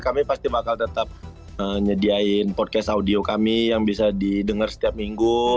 kami pasti bakal tetap menyediakan podcast audio kami yang bisa didengar setiap minggu